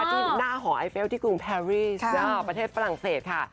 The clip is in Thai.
ที่หน้าหอไอเปลที่กรุงแพรรี่ประเทศฝรั่งเศสค่ะ